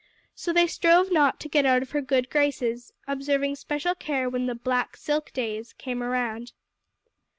So they strove not to get out of her good graces, observing special care when the "black silk days" came around.